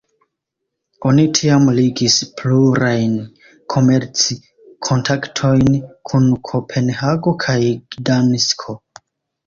Oni tiam ligis plurajn komerc-kontaktojn kun Kopenhago kaj Gdansko.